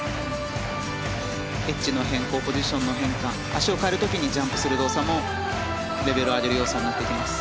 エッジの変更ポジションの変換足を変える際にジャンプする動作もレベルを上げる要素になっていきます。